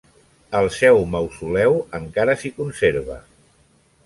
El seu mausoleu encara s'hi conserva.